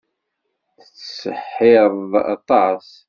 Tettseḥḥireḍ aṭas.